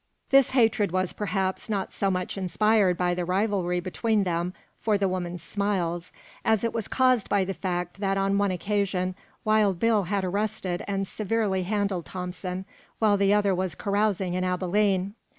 This hatred was, perhaps, not so much inspired by the rivalry between them for the woman's smiles, as it was caused by the fact that on one occasion Wild Bill had arrested and severely handled Thompson, while the latter was carousing in Abilene.